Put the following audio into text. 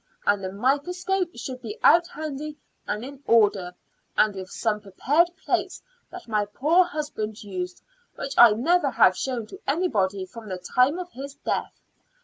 And the microscope should be out handy and in order, and with some prepared plates that my poor husband used, which I have never shown to anybody from the time of his death.